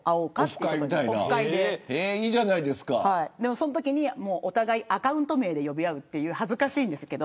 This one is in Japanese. そのときに、お互いアカウント名で呼び合うっていう恥ずかしいんですけど。